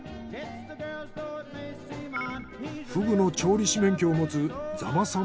フグの調理師免許を持つ座間さん